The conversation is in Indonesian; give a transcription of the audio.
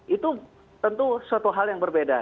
itu tentu suatu hal yang berbeda